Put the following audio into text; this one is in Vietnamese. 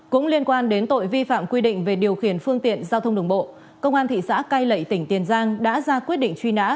cũng liên quan đến tội vi phạm quy định về điều khiển phương tiện giao thông đường bộ công an thị xã cai lậy tỉnh tiền giang đã ra quyết định truy nã